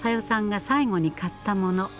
さんが最後に買ったもの。